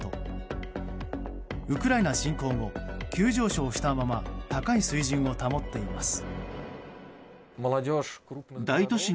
ウクライナ侵攻後急上昇したまま高い水準を保っています。